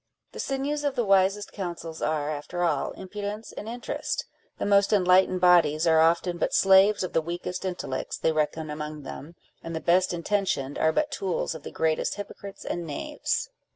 The sinews of the wisest councils are, after all, impudence and interest : the most enlightened bodies arc often but slaves of the weakest intellects they reckon among them, and the best intentioned are but tools of the greatest hypocrites and knaves.